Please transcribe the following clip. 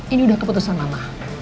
ini udah keputusan mama